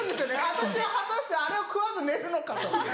私は果たしてあれを食わず寝るのかと。